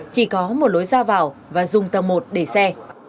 chỉ có một lối ra vào và dùng tầng một để xe